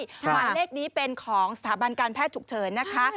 หมายเลขนี้เป็นของสถาบันการแพทย์ฉุกเฉินนะคะ